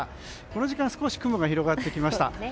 この時間、雲が広がってきました。